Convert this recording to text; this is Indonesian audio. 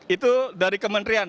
itu dari kementerian